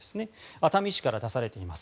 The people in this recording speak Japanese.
熱海市から出されています。